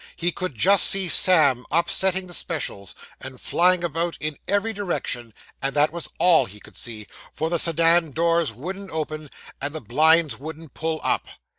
He could just see Sam upsetting the specials, and flying about in every direction; and that was all he could see, for the sedan doors wouldn't open, and the blinds wouldn't pull up.